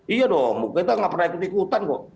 iya dong kita nggak pernah ikut ikutan kok